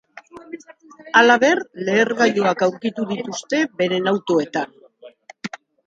Halaber, lehergailuak aurkitu dituzte beren autoetan.